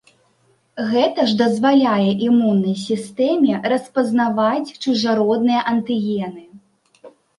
Гэта ж дазваляе імуннай сістэме распазнаваць чужародныя антыгены.